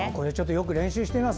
よく練習してみます。